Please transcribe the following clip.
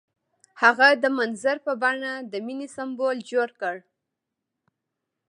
هغه د منظر په بڼه د مینې سمبول جوړ کړ.